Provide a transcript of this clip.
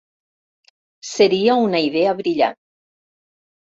Seria una idea brillant.